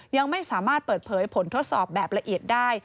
ยังไม่สามารถเปิดเผยผลทดสอบแบบละเอียดได้